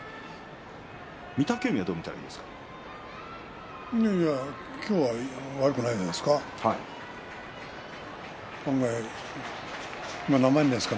御嶽海はどう見たらいいですか。